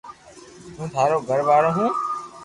ھون ٿارو گھر وارو ھون